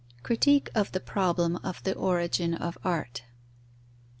_Critique of the problem of the origin of art.